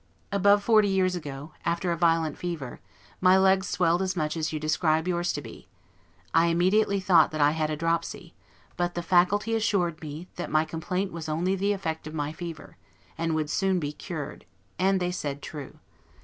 Above forty years ago, after a violent fever, my legs swelled as much as you describe yours to be; I immediately thought that I had a dropsy; but the Faculty assured me, that my complaint was only the effect of my fever, and would soon be cured; and they said true.